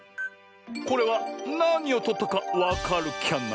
これはなにをとったかわかるキャな？